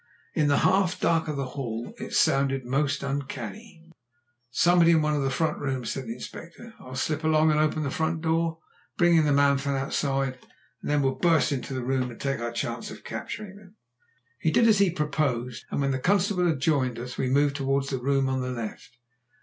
In the half dark of the hall it sounded most uncanny. "Somebody in one of the front rooms," said the Inspector. "I'll slip along and open the front door, bring in the man from outside, and then we'll burst into the room and take our chance of capturing them." He did as he proposed, and when the constable had joined us we moved towards the room on the left.